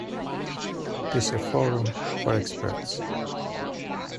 This a forum for experts.